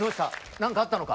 何かあったのか？